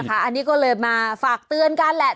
อันนี้ก็เลยมาฝากเตือนกันแหละ